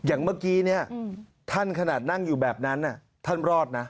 อย่างเมื่อกี้เนี่ยท่านขนาดนั่งอยู่แบบนั้นท่านรอดนะ